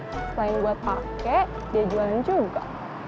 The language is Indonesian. selain buat pakai dia jualan juga